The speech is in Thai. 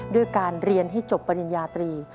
ด้วยการเรียนให้จบปริญญาตรี